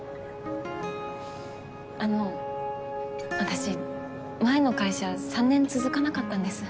あの私前の会社３年続かなかったんです。